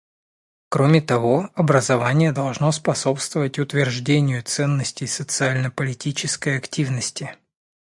Кроме того, образование должно способствовать утверждению ценностей социально-политической активности.